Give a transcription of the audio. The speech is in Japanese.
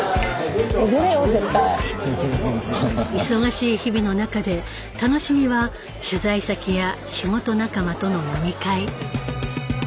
忙しい日々の中で楽しみは取材先や仕事仲間との飲み会。